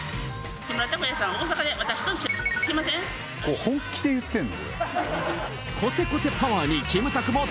これ本気で言ってるの？